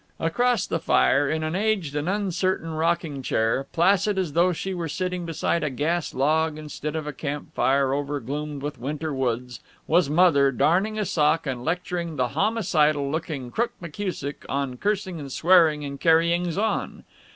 Across the fire, in an aged and uncertain rocking chair, placid as though she were sitting beside a gas log instead of a camp fire over gloomed with winter woods, was Mother, darning a sock and lecturing the homicidal looking Crook McKusick on cursing and swearing and carryings on.